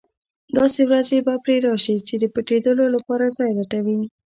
داسې ورځې به پرې راشي چې د پټېدلو لپاره ځای لټوي.